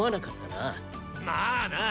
まあな。